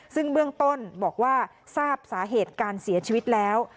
ซึ่งเบื้องต้นบอกว่าทราบสาเหตุการเสียชีวิตแล้ว